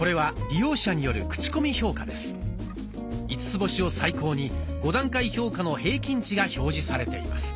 ５つ星を最高に５段階評価の平均値が表示されています。